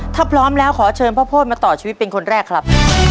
ถ้าพร้อมแล้วขอเชิญพ่อโพธิมาต่อชีวิตเป็นคนแรกครับ